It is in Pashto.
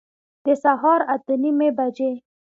د سهار اته نیمي بجي